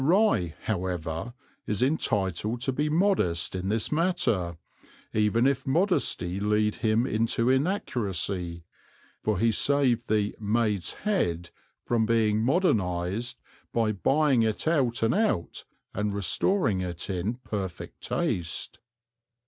Rye, however, is entitled to be modest in this matter, even if modesty lead him into inaccuracy, for he saved the "Maid's Head" from being modernized by buying it out and out and restoring it in perfect taste.